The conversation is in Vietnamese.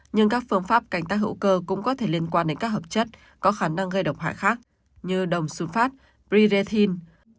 nhưng các phương pháp cảnh tác hữu cơ cũng có thể liên quan đến các hợp chất có khả năng gây động hại khác như đồng xun phát bri rethin